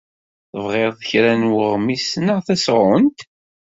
Tebɣiḍ kra n weɣmis neɣ tasɣunt?